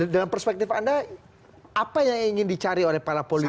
dalam perspektif anda apa yang ingin dicari oleh para politisi